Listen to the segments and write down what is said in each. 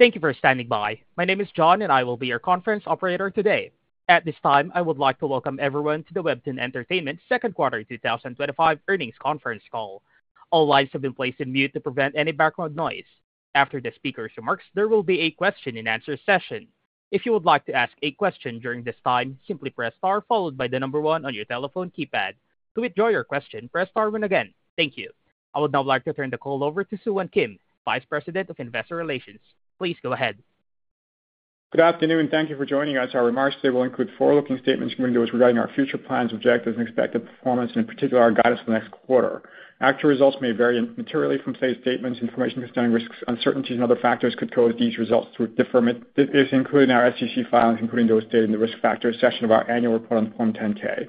Thank you for standing by. My name is John, and I will be your conference operator today. At this time, I would like to welcome everyone to WEBTOON Entertainment's second quarter 2025 earnings conference call. All lines have been placed on mute to prevent any background noise. After the speakers' remarks, there will be a question and answer session. If you would like to ask a question during this time, simply press * followed by the number 1 on your telephone keypad. To withdraw your question, press star one again. Thank you. I would now like to turn the call over to Soohwan Kim, Vice President of Investor Relations. Please go ahead. Good afternoon and thank you for joining us. Our remarks today will include forward-looking statements from individuals regarding our future plans, objectives, and expected performance, and in particular, our guidance for the next quarter. Actual results may vary materially from said statements. Information concerning risks, uncertainties, and other factors could correlate to these results to a different effect. This is included in our SEC filings, including those stated in the risk factors section of our annual report on Form 10-K.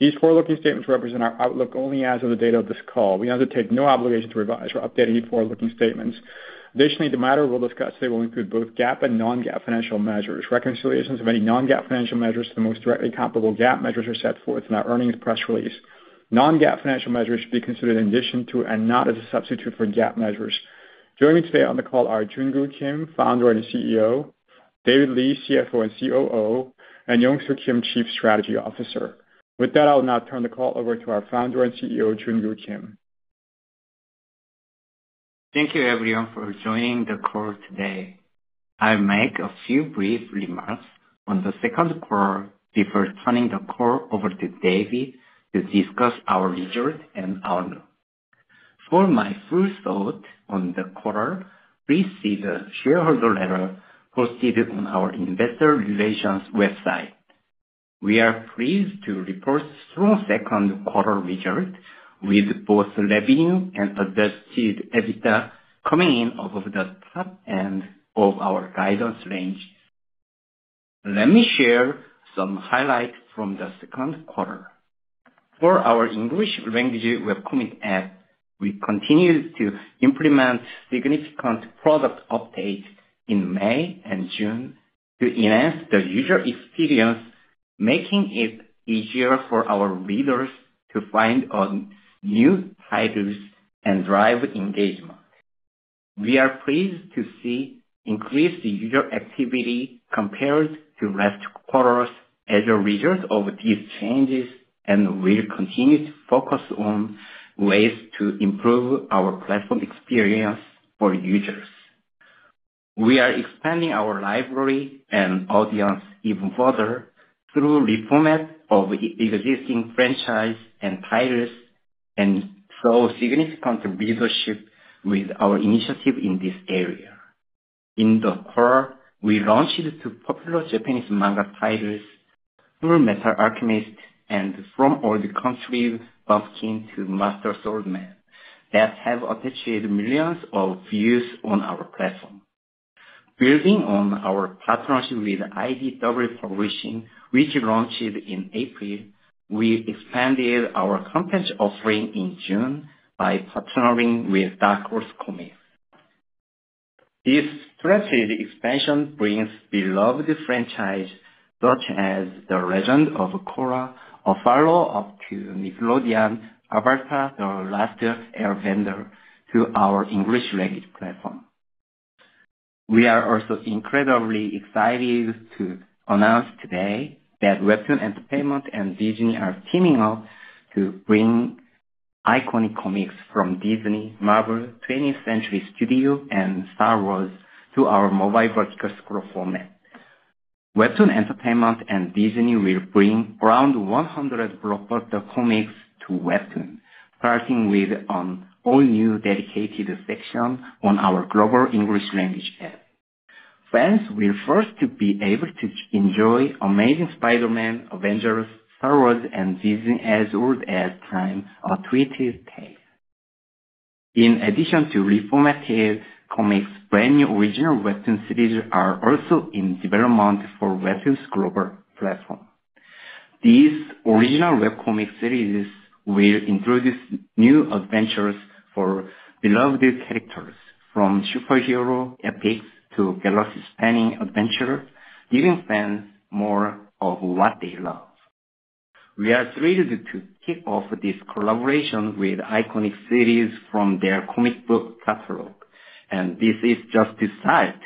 These forward-looking statements represent our outlook only as of the date of this call. We have no obligation to revise or update any forward-looking statements. Additionally, the matters we will discuss today will include both GAAP and non-GAAP financial measures. Reconciliations of any non-GAAP financial measures to the most directly comparable GAAP measures are set forth in our earnings press release. Non-GAAP financial measures should be considered in addition to and not as a substitute for GAAP measures. Joining me today on the call are Junkoo Kim, Founder and CEO; David Lee, CFO and COO; and Yongsoo Kim, Chief Strategy Officer. With that, I will now turn the call over to our Founder and CEO, Junkoo Kim. Thank you, everyone, for joining the call today. I will make a few brief remarks on the second quarter before turning the call over to David to discuss our results and outlook. For my first thought on the quarter, please see the shareholder letter posted on our Investor Relations website. We are pleased to report strong second quarter results with both revenue and adjusted EBITDA coming in above the top end of our guidance range. Let me share some highlights from the second quarter. For our English-language webcomic app, we continue to implement significant product updates in May and June to enhance the user experience, making it easier for our readers to find new titles and drive engagement. We are pleased to see increased user activity compared to last quarter as a result of these changes and will continue to focus on ways to improve our platform experience for users. We are expanding our library and audience even further through the reformat of existing franchises and titles and show significant leadership with our initiative in this area. In the quarter, we launched two popular Japanese manga titles, "Fullmetal Alchemist" and "From Old Country Bumpkin to Master Swordsman," that have attracted millions of views on our platform. Building on our partnership with IDW Publishing, which launched in April, we expanded our content offering in June by partnering with Dark Horse Comics. This strategic expansion brings beloved franchises such as "The Legend of Korra," a follow-up to Nickelodeon's "Avatar: The Last Airbender," to our English-language platform. We are also incredibly excited to announce today that WEBTOON Entertainment and Disney are teaming up to bring iconic comics from Disney, Marvel, 20th Century Studios, and Star Wars to our mobile vertical scroll format. WEBTOON Entertainment and Disney will bring around 100 blockbuster comics to WEBTOON, starting with an all-new dedicated section on our global English-language app. Fans will first be able to enjoy Amazing Spider-Man, Avengers, Star Wars, and Disney As Old As Time: A Twisted Tale. In addition to reformatted comics, brand new original WEBTOON series are also in development for WEBTOON's global platform. These original webcomic series will introduce new adventures for beloved characters, from superhero epics to galaxy-spanning adventures, giving fans more of what they love. We are thrilled to kick off this collaboration with iconic series from their comic book catalog, and this is just a start.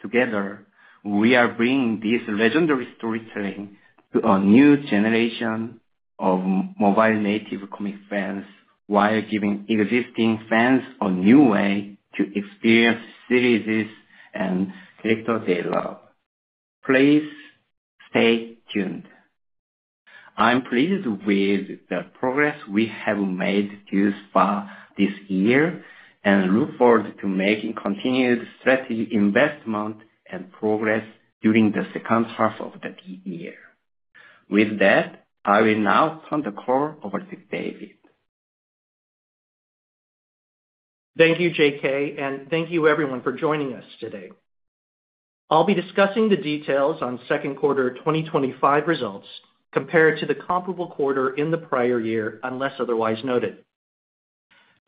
Together, we are bringing this legendary storytelling to a new generation of mobile native comic fans while giving existing fans a new way to experience series and characters they love. Please stay tuned. I'm pleased with the progress we have made thus far this year and look forward to making continued strategic investments and progress during the second half of the year. With that, I will now turn the call over to David. Thank you, JK, and thank you, everyone, for joining us today. I'll be discussing the details on second quarter 2025 results compared to the comparable quarter in the prior year unless otherwise noted.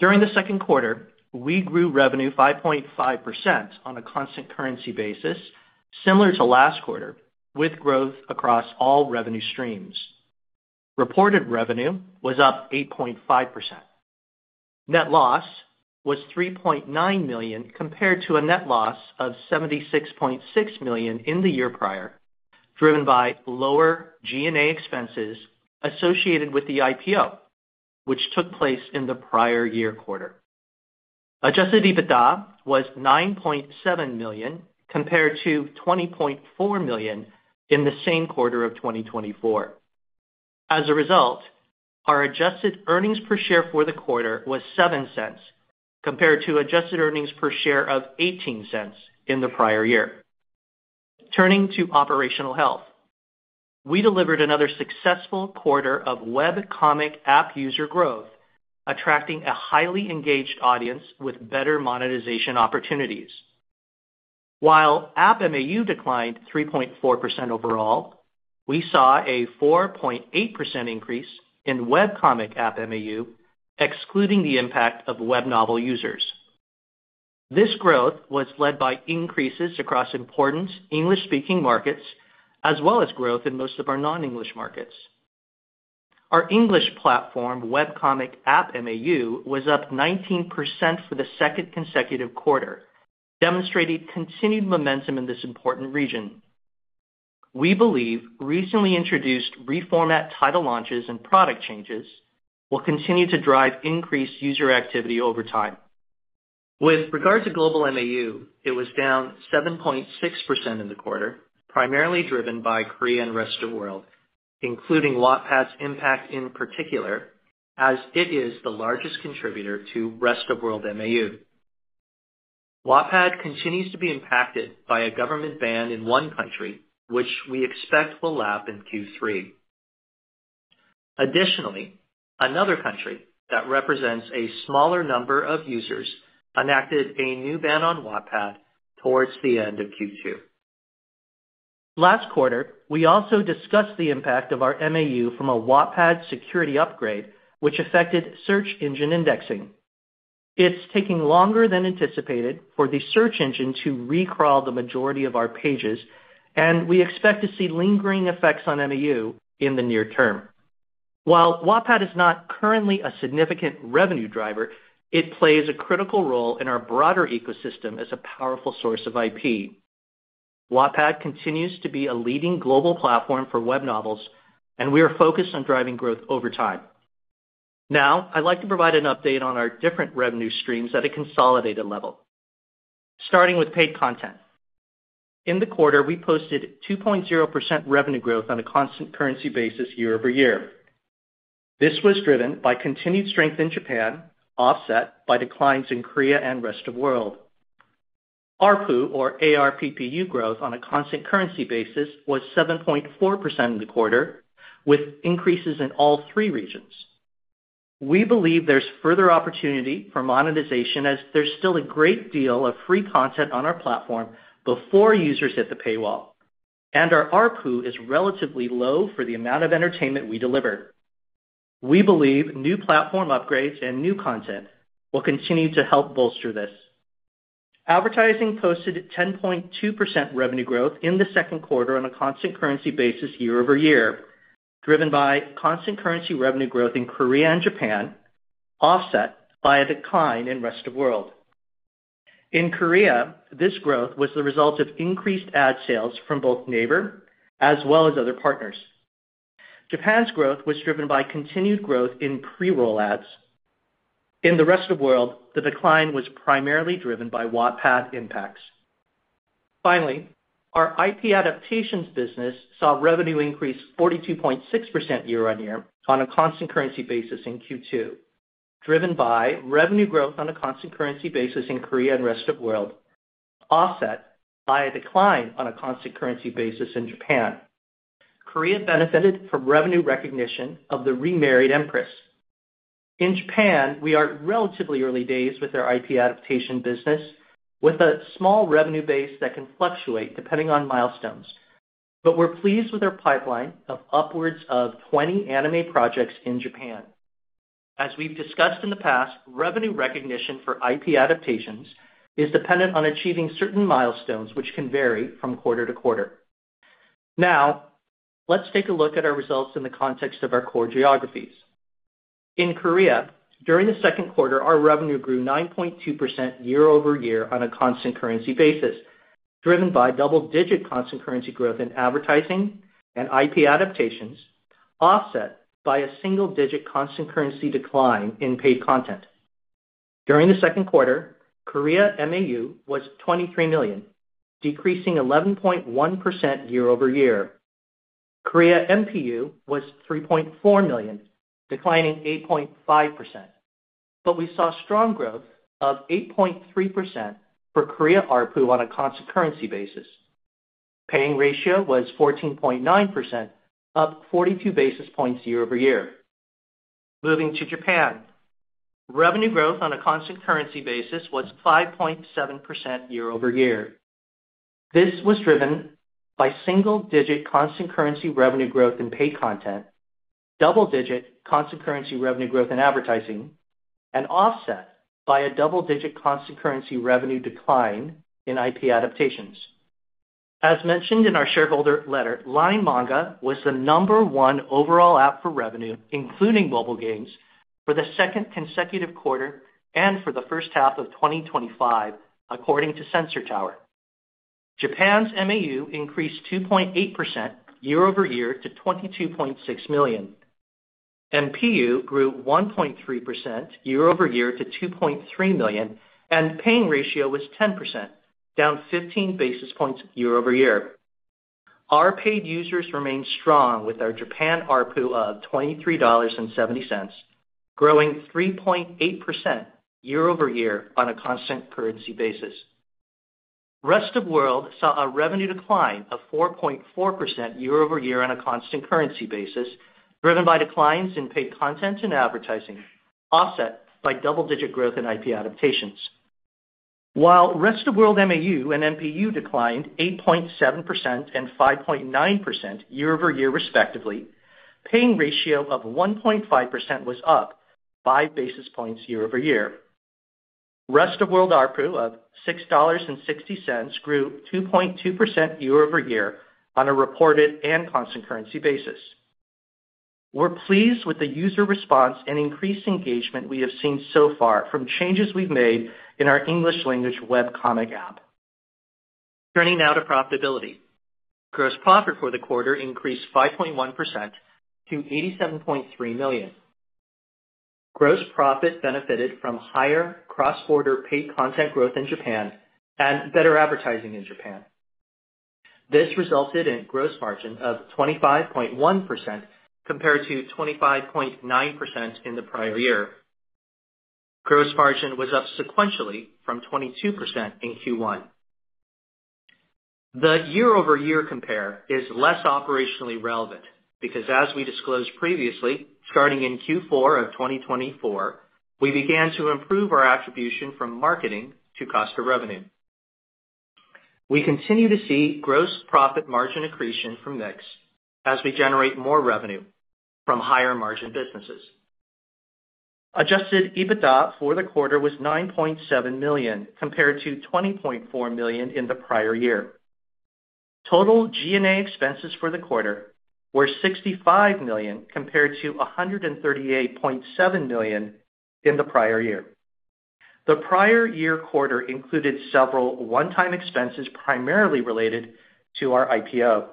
During the second quarter, we grew revenue 5.5% on a constant currency basis, similar to last quarter, with growth across all revenue streams. Reported revenue was up 8.5%. Net loss was $3.9 million compared to a net loss of $76.6 million in the year prior, driven by lower G&A expenses associated with the IPO, which took place in the prior year quarter. Adjusted EBITDA was $9.7 million compared to $20.4 million in the same quarter of 2024. As a result, our adjusted earnings per share for the quarter was $0.07 compared to adjusted earnings per share of $0.18 in the prior year. Turning to operational health, we delivered another successful quarter of webcomic app user growth, attracting a highly engaged audience with better monetization opportunities. While app MAU declined 3.4% overall, we saw a 4.8% increase in webcomic app MAU, excluding the impact of web novel users. This growth was led by increases across important English-speaking markets, as well as growth in most of our non-English markets. Our English platform webcomic app MAU was up 19% for the second consecutive quarter, demonstrating continued momentum in this important region. We believe recently introduced reformat title launches and product changes will continue to drive increased user activity over time. With regard to global MAU, it was down 7.6% in the quarter, primarily driven by Korea and the rest of the world, including Wattpad's impact in particular, as it is the largest contributor to rest of world MAU. Wattpad continues to be impacted by a government ban in one country, which we expect will lap in Q3. Additionally, another country that represents a smaller number of users enacted a new ban on Wattpad towards the end of Q2. Last quarter, we also discussed the impact of our MAU from a Wattpad security upgrade, which affected search engine indexing. It's taking longer than anticipated for the search engine to re-crawl the majority of our pages, and we expect to see lingering effects on MAU in the near term. While Wattpad is not currently a significant revenue driver, it plays a critical role in our broader ecosystem as a powerful source of IP. Wattpad continues to be a leading global platform for web novels, and we are focused on driving growth over time. Now, I'd like to provide an update on our different revenue streams at a consolidated level, starting with paid content. In the quarter, we posted 2.0% revenue growth on a constant currency basis year-over-year. This was driven by continued strength in Japan, offset by declines in Korea and the rest of the world. ARPPU, or ARPPU, growth on a constant currency basis was 7.4% in the quarter, with increases in all three regions. We believe there's further opportunity for monetization as there's still a great deal of free content on our platform before users hit the paywall, and our ARPPU is relatively low for the amount of entertainment we deliver. We believe new platform upgrades and new content will continue to help bolster this. Advertising posted 10.2% revenue growth in the second quarter on a constant currency basis year-over-year, driven by constant currency revenue growth in Korea and Japan, offset by a decline in the rest of the world. In Korea, this growth was the result of increased ad sales from both Naver as well as other partners. Japan's growth was driven by continued growth in pre-roll ads. In the rest of the world, the decline was primarily driven by Wattpad impacts. Finally, our IP adaptations business saw revenue increase 42.6% year on year on a constant currency basis in Q2, driven by revenue growth on a constant currency basis in Korea and the rest of the world, offset by a decline on a constant currency basis in Japan. Korea benefited from revenue recognition of "The Remarried Empress." In Japan, we are in relatively early days with their IP adaptation business, with a small revenue base that can fluctuate depending on milestones, but we're pleased with their pipeline of upwards of 20 anime projects in Japan. As we've discussed in the past, revenue recognition for IP adaptations is dependent on achieving certain milestones, which can vary from quarter to quarter. Now, let's take a look at our results in the context of our core geographies. In Korea, during the second quarter, our revenue grew 9.2% year-over-year on a constant currency basis, driven by double-digit constant currency growth in advertising and IP adaptations, offset by a single-digit constant currency decline in paid content. During the second quarter, Korea MAU was 23 million, decreasing 11.1% year-over-year. Korea NPU was 3.4 million, declining 8.5%, but we saw strong growth of 8.3% for Korea ARPPU on a constant currency basis. Paying ratio was 14.9%, up 42 basis points year-over-year. Moving to Japan, revenue growth on a constant currency basis was 5.7% year-over-year. This was driven by single-digit constant currency revenue growth in paid content, double-digit constant currency revenue growth in advertising, and offset by a double-digit constant currency revenue decline in IP adaptations. As mentioned in our shareholder letter, LINE MANGA was the number one overall app for revenue, including mobile games, for the second consecutive quarter and for the first half of 2025, according to Sensor Tower. Japan's MAU increased 2.8% year-over-year to $22.6 million. NPU grew 1.3% year-over-year to $2.3 million, and paying ratio was 10%, down 15 basis points year-over-year. Our paid users remained strong with our Japan ARPPU of $23.70, growing 3.8% year-over-year on a constant currency basis. The rest of the world saw a revenue decline of 4.4% year-over-year on a constant currency basis, driven by declines in paid content and advertising, offset by double-digit growth in IP adaptations. While the rest of the world MAU and NPU declined 8.7% and 5.9% year-over-year, respectively, the paying ratio of 1.5% was up 5 basis points year-over-year. The rest of the world ARPPU of $6.60 grew 2.2% year-over-year on a reported and constant currency basis. We're pleased with the user response and increased engagement we have seen so far from changes we've made in our English-language webcomic app. Turning now to profitability. Gross profit for the quarter increased 5.1% to $87.3 million. Gross profit benefited from higher cross-border paid content growth in Japan and better advertising in Japan. This resulted in a gross margin of 25.1% compared to 25.9% in the prior year. Gross margin was up sequentially from 22% in Q1. The year-over-year compare is less operationally relevant because, as we disclosed previously, starting in Q4 of 2024, we began to improve our attribution from marketing to cost of revenue. We continue to see gross profit margin accretion from mix as we generate more revenue from higher margin businesses. Adjusted EBITDA for the quarter was $9.7 million compared to $20.4 million in the prior year. Total G&A expenses for the quarter were $65 million compared to $138.7 million in the prior year. The prior year quarter included several one-time expenses primarily related to our IPO.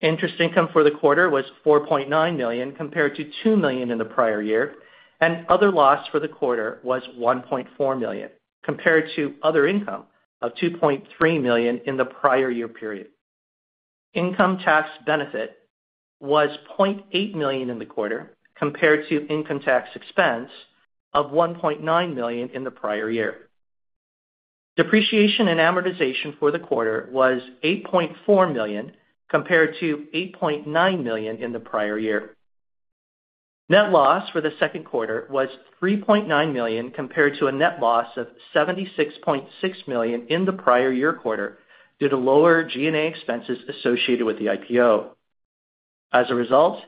Interest income for the quarter was $4.9 million compared to $2 million in the prior year, and other loss for the quarter was $1.4 million compared to other income of $2.3 million in the prior year period. Income tax benefit was $0.8 million in the quarter compared to income tax expense of $1.9 million in the prior year. Depreciation and amortization for the quarter was $8.4 million compared to $8.9 million in the prior year. Net loss for the second quarter was $3.9 million compared to a net loss of $76.6 million in the prior year quarter due to lower G&A expenses associated with the IPO. As a result,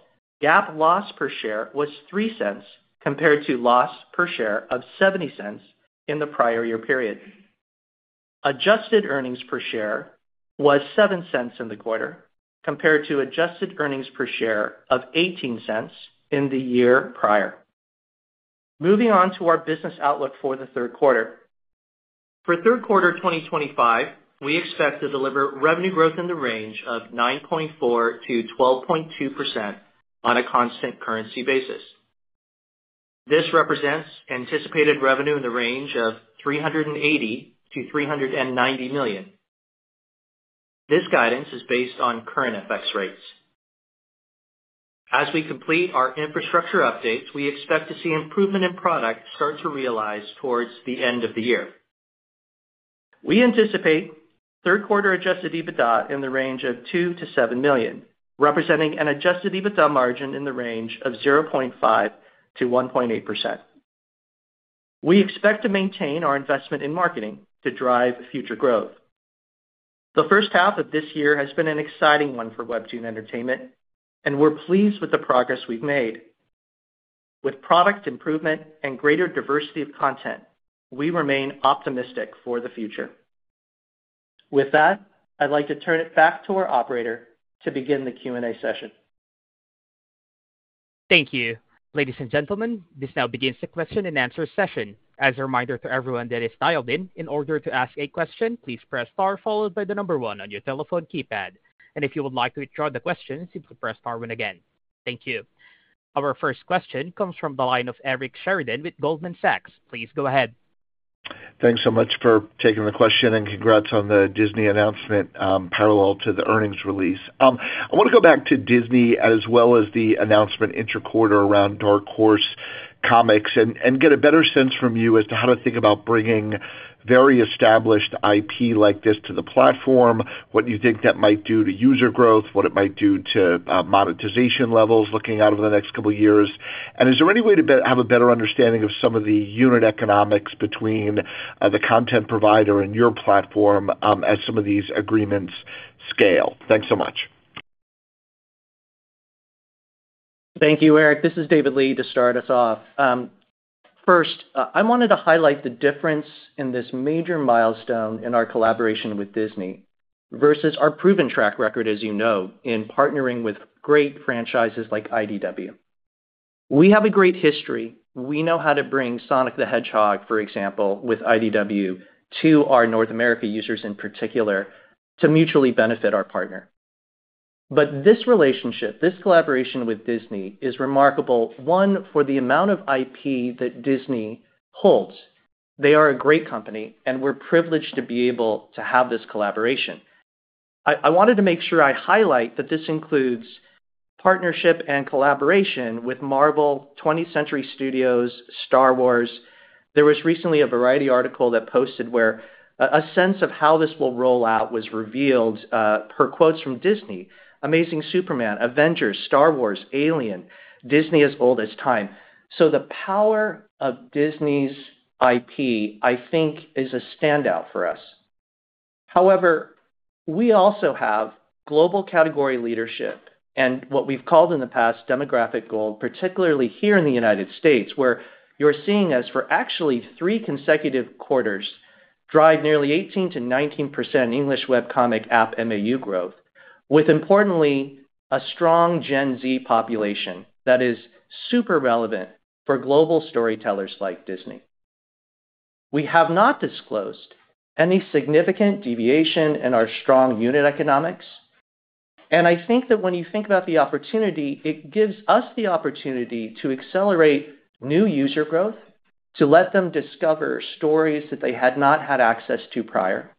GAAP loss per share was $0.03 compared to loss per share of $0.70 in the prior year period. Adjusted earnings per share was $0.07 in the quarter compared to adjusted earnings per share of $0.18 in the year prior. Moving on to our business outlook for the third quarter. For third quarter 2025, we expect to deliver revenue growth in the range of 9.4%-12.2% on a constant currency basis. This represents anticipated revenue in the range of $380 million-$390 million. This guidance is based on current FX rates. As we complete our infrastructure updates, we expect to see improvement in product start to realize towards the end of the year. We anticipate third quarter adjusted EBITDA in the range of $2 million-$7 million, representing an adjusted EBITDA margin in the range of 0.5%-1.8%. We expect to maintain our investment in marketing to drive future growth. The first half of this year has been an exciting one for WEBTOON Entertainment, and we're pleased with the progress we've made. With product improvement and greater diversity of content, we remain optimistic for the future. With that, I'd like to turn it back to our operator to begin the Q&A session. Thank you. Ladies and gentlemen, this now begins the question and answer session. As a reminder to everyone that is dialed in, in order to ask a question, please press star followed by the number one on your telephone keypad. If you would like to withdraw the question, simply press star one again. Thank you. Our first question comes from the line of Eric Sheridan with Goldman Sachs. Please go ahead. Thanks so much for taking the question and congrats on the Disney announcement parallel to the earnings release. I want to go back to Disney as well as the announcement interquartal around Dark Horse Comics and get a better sense from you as to how to think about bringing very established IP like this to the platform, what you think that might do to user growth, what it might do to monetization levels looking out over the next couple of years. Is there any way to have a better understanding of some of the unit economics between the content provider and your platform as some of these agreements scale? Thanks so much. Thank you, Eric. This is David Lee to start us off. First, I wanted to highlight the difference in this major milestone in our collaboration with Disney versus our proven track record, as you know, in partnering with great franchises like IDW Publishing. We have a great history. We know how to bring Sonic the Hedgehog, for example, with IDW Publishing to our North America users in particular to mutually benefit our partner. This relationship, this collaboration with Disney is remarkable, one, for the amount of IP that Disney holds. They are a great company, and we're privileged to be able to have this collaboration. I wanted to make sure I highlight that this includes partnership and collaboration with Marvel, 20th Century Studios, Star Wars. There was recently a Variety article that posted where a sense of how this will roll out was revealed per quotes from Disney. Amazing Superman, Avengers, Star Wars, Alien, Disney As Old As Time. The power of Disney's IP, I think, is a standout for us. However, we also have global category leadership and what we've called in the past demographic gold, particularly here in the United States, where you're seeing us for actually three consecutive quarters drive nearly 18%-19% English-language webcomic app MAU growth, with importantly a strong Gen Z population that is super relevant for global storytellers like Disney. We have not disclosed any significant deviation in our strong unit economics. I think that when you think about the opportunity, it gives us the opportunity to accelerate new user growth, to let them discover stories that they had not had access to prior.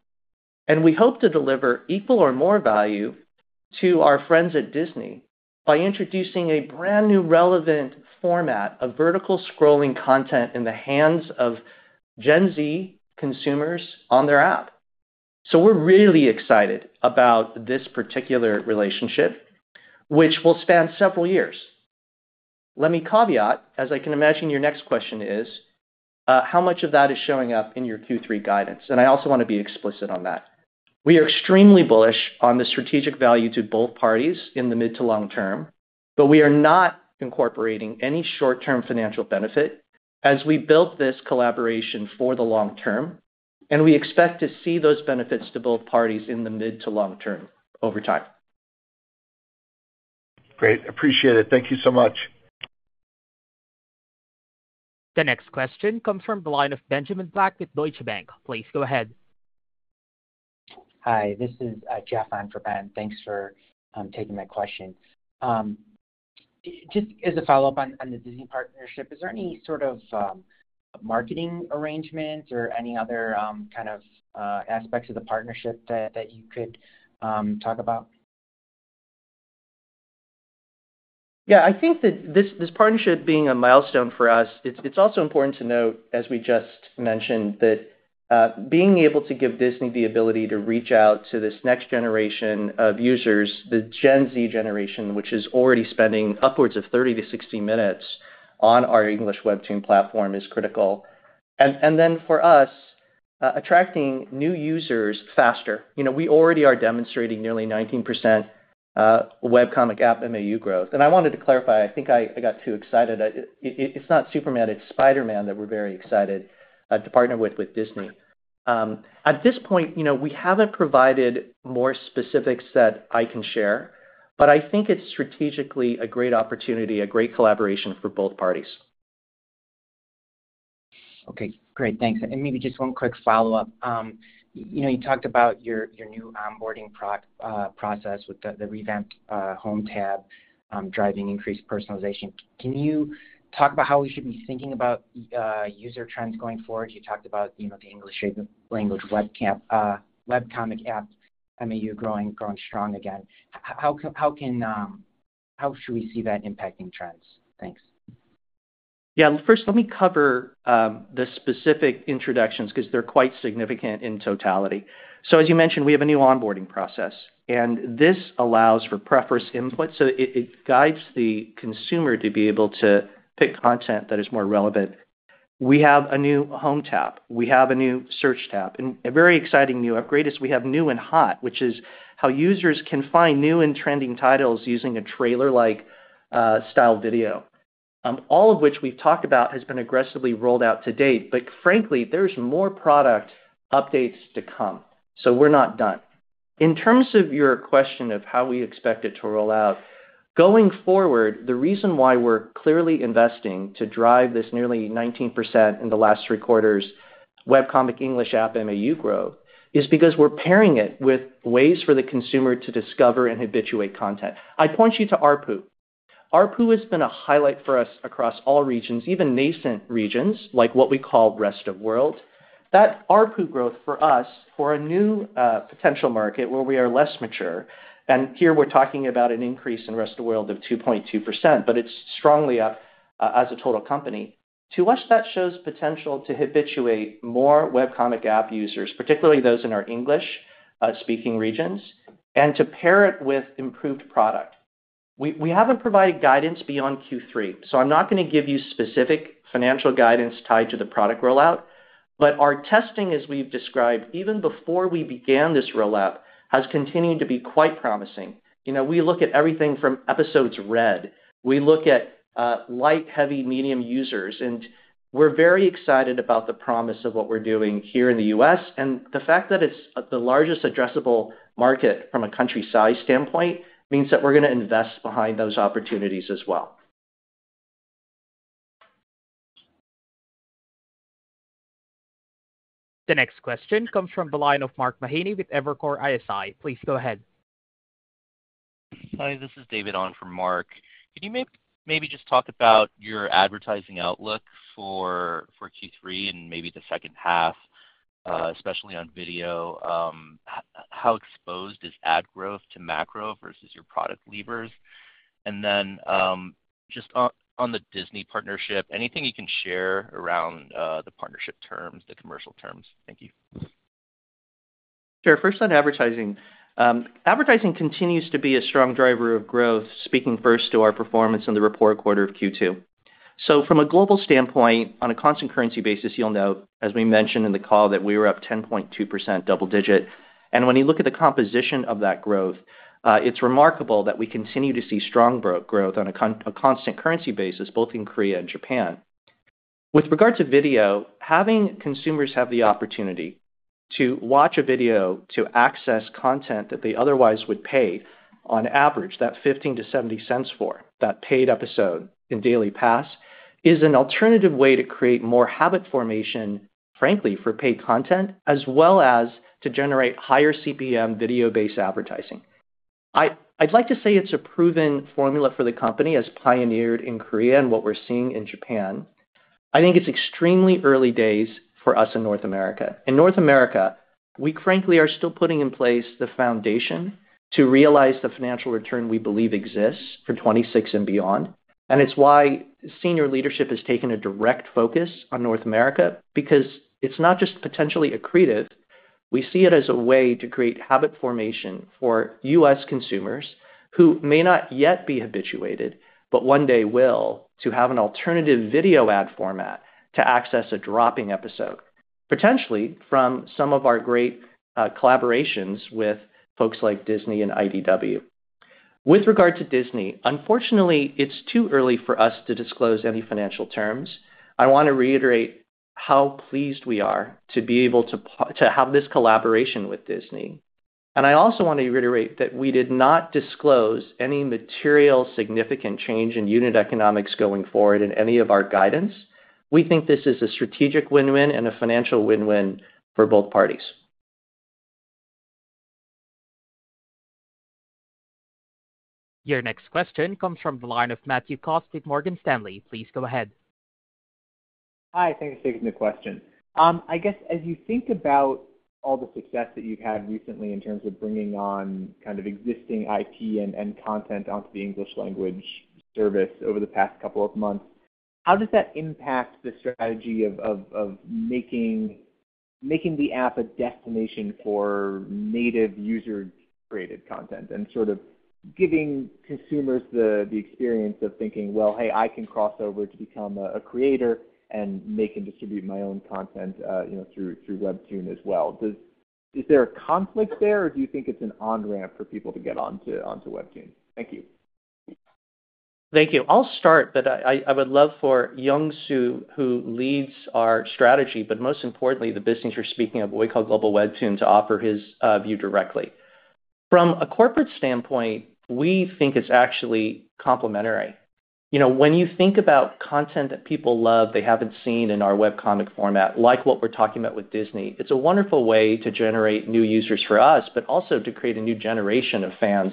We hope to deliver equal or more value to our friends at Disney by introducing a brand new relevant format of vertical scrolling content in the hands of Gen Z consumers on their app. We're really excited about this particular relationship, which will span several years. Let me caveat, as I can imagine your next question is, how much of that is showing up in your Q3 guidance? I also want to be explicit on that. We are extremely bullish on the strategic value to both parties in the mid to long term, but we are not incorporating any short-term financial benefit as we built this collaboration for the long term. We expect to see those benefits to both parties in the mid to long term over time. Great. Appreciate it. Thank you so much. The next question comes from the line of Benjamin Black at Deutsche Bank. Please go ahead. Hi, this is Jeff on for Ben. Thanks for taking my questions. Just as a follow-up on the Disney partnership, is there any sort of marketing arrangements or any other kind of aspects of the partnership that you could talk about? Yeah, I think that this partnership being a milestone for us, it's also important to note, as we just mentioned, that being able to give Disney the ability to reach out to this next generation of users, the Gen Z generation, which is already spending upwards of 30 minutes-60 minutes on our English-language webcomic app, is critical. For us, attracting new users faster, you know, we already are demonstrating nearly 19% webcomic app MAU growth. I wanted to clarify, I think I got too excited. It's not Superman, it's Spider-Man that we're very excited to partner with Disney. At this point, you know, we haven't provided more specifics that I can share, but I think it's strategically a great opportunity, a great collaboration for both parties. OK, great, thanks. Maybe just one quick follow-up. You talked about your new onboarding process with the revamped home tab driving increased personalization. Can you talk about how we should be thinking about user trends going forward? You talked about the English-language webcomic app MAU growing strong again. How should we see that impacting trends? Thanks. Yeah, first, let me cover the specific introductions because they're quite significant in totality. As you mentioned, we have a new onboarding process, and this allows for preference input. It guides the consumer to be able to pick content that is more relevant. We have a new home tab, a new search tab, and a very exciting new upgrade is we have New and Hot, which is how users can find new and trending titles using a trailer-like style video. All of which we've talked about has been aggressively rolled out to date. Frankly, there's more product updates to come, so we're not done. In terms of your question of how we expect it to roll out going forward, the reason why we're clearly investing to drive this nearly 19% in the last three quarters webcomic English app MAU growth is because we're pairing it with ways for the consumer to discover and habituate content. I point you to ARPPU. ARPPU has been a highlight for us across all regions, even nascent regions like what we call rest of the world. That ARPPU growth for us, for a new potential market where we are less mature, and here we're talking about an increase in rest of the world of 2.2%, but it's strongly up as a total company, to us, that shows potential to habituate more webcomic app users, particularly those in our English-speaking regions, and to pair it with improved product. We haven't provided guidance beyond Q3, so I'm not going to give you specific financial guidance tied to the product rollout. Our testing, as we've described, even before we began this rollout, has continued to be quite promising. We look at everything from episodes read, we look at light, heavy, medium users, and we're very excited about the promise of what we're doing here in the U.S. The fact that it's the largest addressable market from a country size standpoint means that we're going to invest behind those opportunities as well. The next question comes from the line of Mark Mahaney with Evercore ISI. Please go ahead. Hi, this is David on for Mark. Could you maybe just talk about your advertising outlook for Q3 and maybe the second half, especially on video? How exposed is ad growth to macro versus your product levers? Then just on the Disney partnership, anything you can share around the partnership terms, the commercial terms? Thank you. Sure. First on advertising, advertising continues to be a strong driver of growth, speaking first to our performance in the reported quarter of Q2. From a global standpoint, on a constant currency basis, you'll note, as we mentioned in the call, that we were up 10.2%. When you look at the composition of that growth, it's remarkable that we continue to see strong growth on a constant currency basis, both in Korea and Japan. With regard to video, having consumers have the opportunity to watch a video to access content that they otherwise would pay on average that $0.15-$0.70 for, that paid episode in daily pass, is an alternative way to create more habit formation, frankly, for paid content, as well as to generate higher CPM video-based advertising. I'd like to say it's a proven formula for the company, as pioneered in Korea and what we're seeing in Japan. I think it's extremely early days for us in North America. In North America, we frankly are still putting in place the foundation to realize the financial return we believe exists for 2026 and beyond. It is why senior leadership has taken a direct focus on North America, because it's not just potentially accretive. We see it as a way to create habit formation for U.S. consumers who may not yet be habituated, but one day will, to have an alternative video ad format to access a dropping episode, potentially from some of our great collaborations with folks like Disney and IDW Publishing. With regard to Disney, unfortunately, it's too early for us to disclose any financial terms. I want to reiterate how pleased we are to be able to have this collaboration with Disney. I also want to reiterate that we did not disclose any material significant change in unit economics going forward in any of our guidance. We think this is a strategic win-win and a financial win-win for both parties. Your next question comes from the line of Matthew Cost with Morgan Stanley. Please go ahead. Hi, thanks for taking the question. As you think about all the success that you've had recently in terms of bringing on kind of existing IP and content onto the English-language webcomic app over the past couple of months, how does that impact the strategy of making the app a destination for native user-created content and giving consumers the experience of thinking, hey, I can cross over to become a creator and make and distribute my own content through WEBTOON as well? Is there a conflict there, or do you think it's an on-ramp for people to get onto WEBTOON? Thank you. Thank you. I'll start, but I would love for Yongsoo, who leads our strategy, but most importantly, the business you're speaking of, what we call Global Webtoon, to offer his view directly. From a corporate standpoint, we think it's actually complementary. You know, when you think about content that people love, they haven't seen in our webcomic format, like what we're talking about with Disney, it's a wonderful way to generate new users for us, but also to create a new generation of fans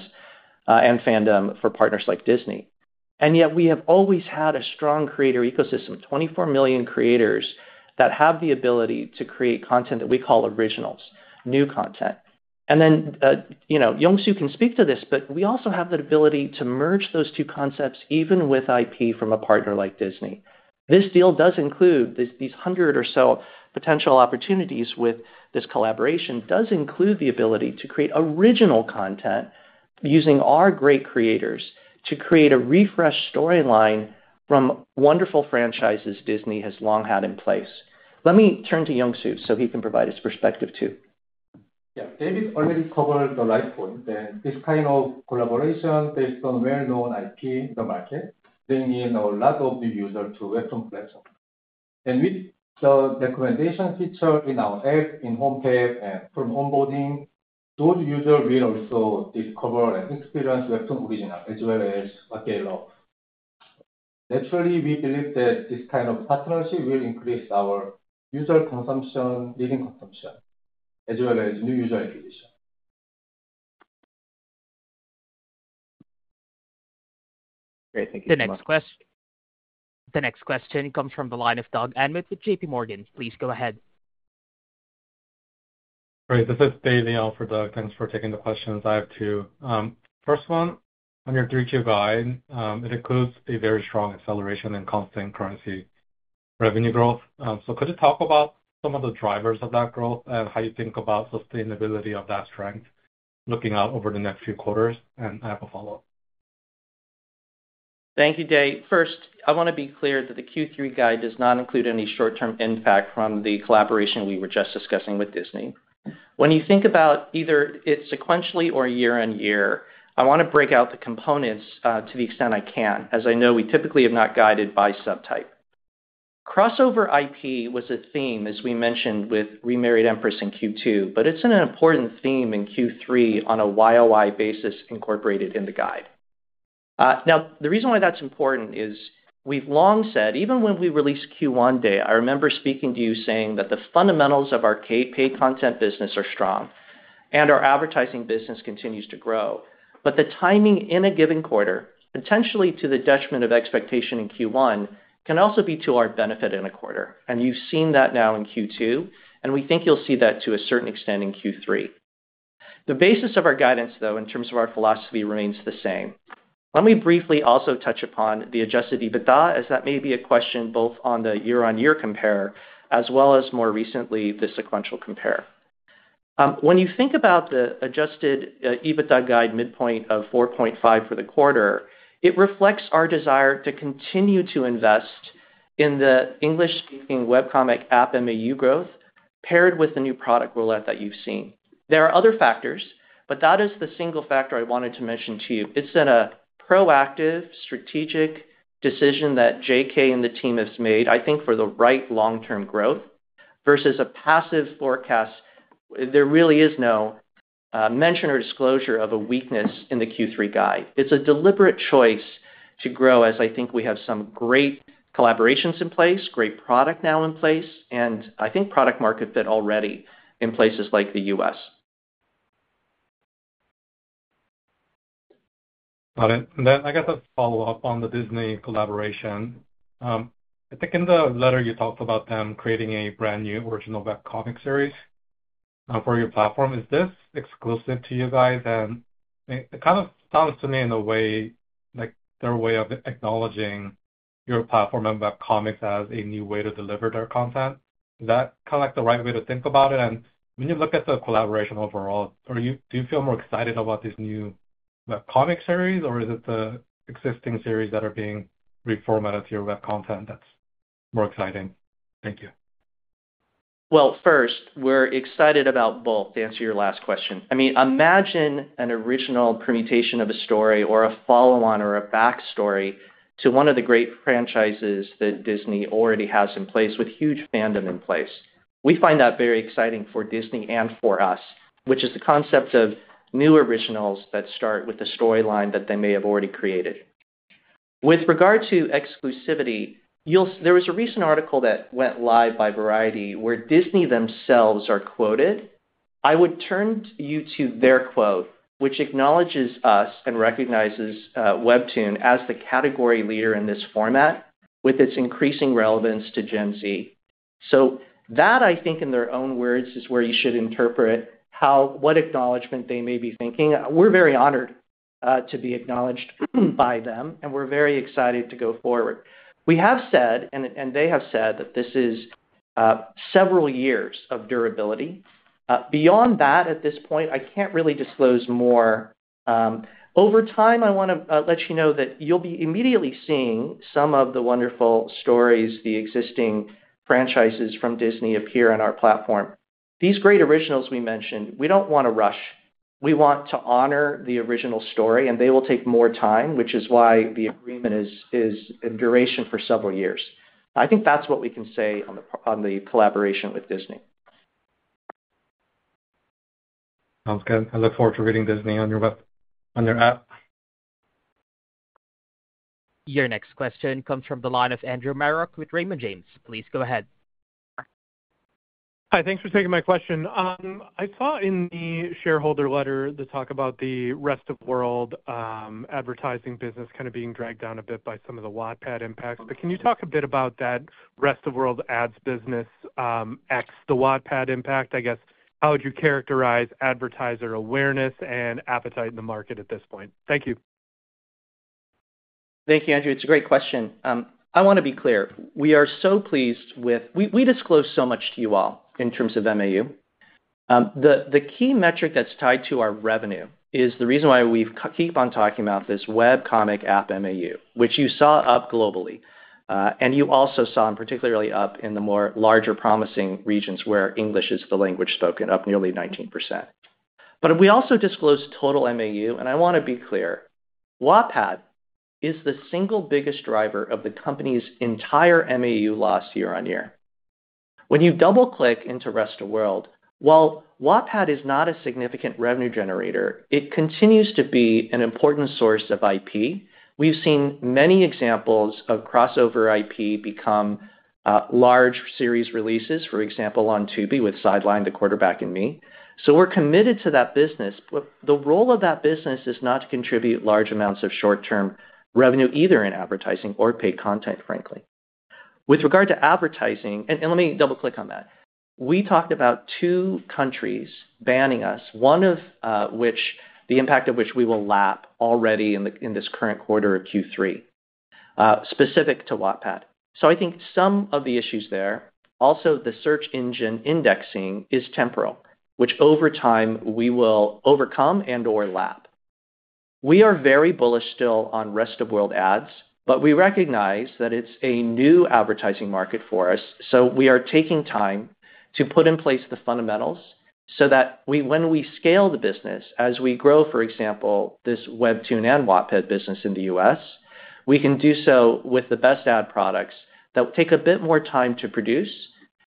and fandom for partners like Disney. We have always had a strong creator ecosystem, 24 million creators that have the ability to create content that we call originals, new content. Yongsoo can speak to this, but we also have that ability to merge those two concepts even with IP from a partner like Disney. This deal does include these 100 or so potential opportunities with this collaboration, and does include the ability to create original content using our great creators to create a refreshed storyline from wonderful franchises Disney has long had in place. Let me turn to Yongsoo so he can provide his perspective too. David already covered the right point that this kind of collaboration based on well-known IP in the market brings in a lot of new users to the WEBTOON platform. With the recommendation feature in our app, in the home tab, and from onboarding, those users will also discover and experience WEBTOON Original as well as [Material]. Naturally, we believe that this kind of partnership will increase our user consumption, [dealing] consumption, as well as new user [acquisition]. Great, thank you. The next question comes from the line of Doug Anmuth with JPMorgan. Please go ahead. Great. This is Dave Neil on for Doug. Thanks for taking the questions. I have two. First one, on your three-tier guide, it includes a very strong acceleration in constant currency revenue growth. Could you talk about some of the drivers of that growth and how you think about sustainability of that strength looking out over the next few quarters? I have a follow-up. Thank you, Dave. First, I want to be clear that the Q3 guide does not include any short-term impact from the collaboration we were just discussing with Disney. When you think about either it's sequentially or year on year, I want to break out the components to the extent I can, as I know we typically are not guided by subtype. Crossover IP was a theme, as we mentioned, with Remarried Empress in Q2. It is an important theme in Q3 on a YoY basis incorporated in the guide. The reason why that's important is we've long said, even when we released Q1 day, I remember speaking to you saying that the fundamentals of our paid content business are strong and our advertising business continues to grow. The timing in a given quarter, potentially to the detriment of expectation in Q1, can also be to our benefit in a quarter. You have seen that now in Q2. We think you'll see that to a certain extent in Q3. The basis of our guidance, though, in terms of our philosophy remains the same. Let me briefly also touch upon the adjusted EBITDA, as that may be a question both on the year-over-year compare as well as more recently the sequential compare. When you think about the adjusted EBITDA guide midpoint of 4.5% for the quarter, it reflects our desire to continue to invest in the English-language webcomic app MAU growth paired with the new product rollout that you've seen. There are other factors, but that is the single factor I wanted to mention to you. It is a proactive, strategic decision that JK and the team have made, I think, for the right long-term growth versus a passive forecast. There really is no mention or disclosure of a weakness in the Q3 guide. It is a deliberate choice to grow, as I think we have some great collaborations in place, great product now in place, and I think product-market fit already in places like the U.S. Got it. I guess a follow-up on the Disney collaboration. I think in the letter you talked about them creating a brand new original webcomic series for your platform. Is this exclusive to you guys? It kind of sounds to me in a way like their way of acknowledging your platform and webcomics as a new way to deliver their content. Is that kind of like the right way to think about it? When you look at the collaboration overall, do you feel more excited about this new webcomic series, or is it the existing series that are being reformatted to your web content that's more exciting? Thank you. First, we're excited about both to answer your last question. I mean, imagine an original permutation of a story or a follow-on or a backstory to one of the great franchises that Disney already has in place with huge fandom in place. We find that very exciting for Disney and for us, which is the concept of new originals that start with the storyline that they may have already created. With regard to exclusivity, there was a recent article that went live by Variety where Disney themselves are quoted. I would turn you to their quote, which acknowledges us and recognizes WEBTOON as the category leader in this format with its increasing relevance to Gen Z. That, I think, in their own words, is where you should interpret what acknowledgment they may be thinking. We're very honored to be acknowledged by them. We're very excited to go forward. We have said, and they have said, that this is several years of durability. Beyond that, at this point, I can't really disclose more. Over time, I want to let you know that you'll be immediately seeing some of the wonderful stories, the existing franchises from Disney appear on our platform. These great originals we mentioned, we don't want to rush. We want to honor the original story. They will take more time, which is why the agreement is in duration for several years. I think that's what we can say on the collaboration with Disney. Sounds good. I look forward to reading Disney on your app. Your next question comes from the line of Andrew Marok with Raymond James. Please go ahead. Hi, thanks for taking my question. I saw in the shareholder letter the talk about the rest of the world advertising business kind of being dragged down a bit by some of the Wattpad impacts. Can you talk a bit about that rest of the world ads business excluding the Wattpad impact? I guess how would you characterize advertiser awareness and appetite in the market at this point? Thank you. Thank you, Andrew. It's a great question. I want to be clear. We are so pleased with we disclosed so much to you all in terms of MAU. The key metric that's tied to our revenue is the reason why we keep on talking about this webcomic app MAU, which you saw up globally. You also saw particularly up in the more larger promising regions where English is the language spoken, up nearly 19%. We also disclosed total MAU. I want to be clear, Wattpad is the single biggest driver of the company's entire MAU loss year on year. When you double-click into rest of the world, while Wattpad is not a significant revenue generator, it continues to be an important source of IP. We've seen many examples of crossover IP become large series releases, for example, on Tubi with "Sidelined: The Quarterback and Me". We're committed to that business. The role of that business is not to contribute large amounts of short-term revenue either in advertising or paid content, frankly. With regard to advertising, let me double-click on that. We talked about two countries banning us, one of which the impact of which we will lap already in this current quarter of Q3, specific to Wattpad. I think some of the issues there, also the search engine indexing is temporal, which over time we will overcome [into our] lap. We are very bullish still on rest of the world ads, but we recognize that it's a new advertising market for us. We are taking time to put in place the fundamentals so that when we scale the business, as we grow, for example, this WEBTOON and Wattpad business in the U.S., we can do so with the best ad products that take a bit more time to produce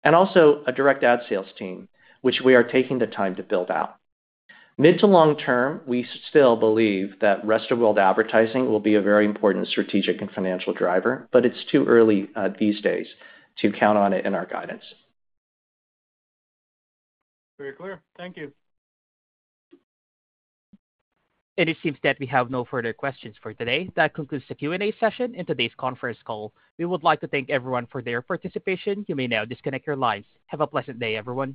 and also a direct ad sales team, which we are taking the time to build out. Mid to long term, we still believe that rest of the world advertising will be a very important strategic and financial driver, but it's too early these days to count on it in our guidance. Very clear. Thank you. It seems that we have no further questions for today. That concludes the Q&A session in today's conference call. We would like to thank everyone for their participation. You may now disconnect your lines. Have a pleasant day, everyone.